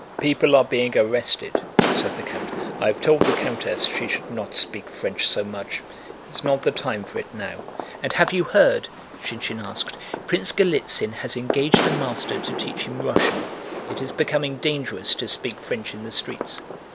"People are being arrested..." said the count. "I've told the countess she should not speak French so much. It's not the time for it now." "And have you heard?" Shinshín asked. "Prince Golítsyn has engaged a master to teach him Russian. It is becoming dangerous to speak French in the streets."